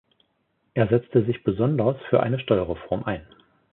Er setzte sich besonders für eine Steuerreform ein.